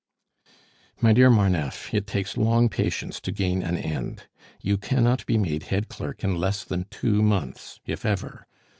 "My dear Marneffe, it takes long patience to gain an end. You cannot be made head clerk in less than two months, if ever.